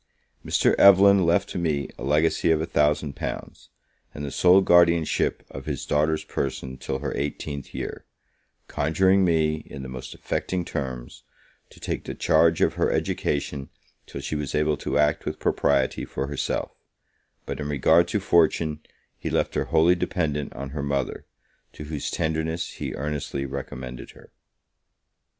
Mr. Evelyn left to me a legacy of a thousand pounds, and the sole guardianship of his daughter's person till her eighteenth year; conjuring me, in the most affecting terms, to take the charge of her education till she was able to act with propriety for herself; but, in regard to fortune, he left her wholly dependent on her mother, to whose tenderness he earnestly recommended her.